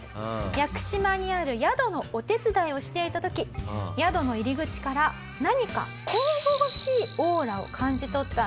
屋久島にある宿のお手伝いをしていた時宿の入り口から何か神々しいオーラを感じ取ったんです。